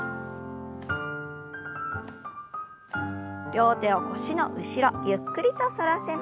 両手を腰の後ろゆっくりと反らせます。